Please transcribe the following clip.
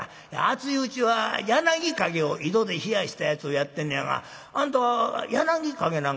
暑いうちは柳陰を井戸で冷やしたやつをやってんねやがあんたは柳陰なんか飲んでか？」。